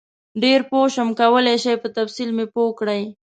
ډېر پوه شم کولای شئ په تفصیل مې پوه کړئ؟